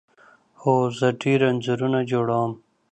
هو، زه ډیر انځورونه جوړوم